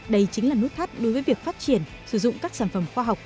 đây chính là nút thắt đối với việc phát triển sử dụng các sản phẩm khoa học